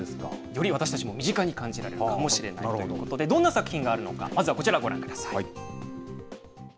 より私たちの身近に感じられるかもしれないということで、どんな作品があるのか、まずはこちらご覧ください。